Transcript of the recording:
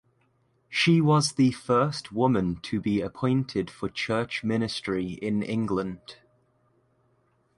She was the first woman to be appointed for church ministry in England.